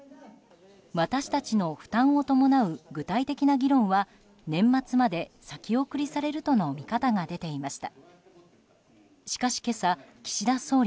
私たちの負担を伴う具体的な議論は年末まで先送りされるとの見方が出ていました。